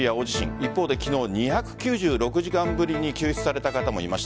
一方で昨日、２９６時間ぶりに救出された方もいました。